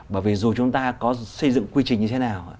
bởi vì dù chúng ta có xây dựng quy trình như thế nào ạ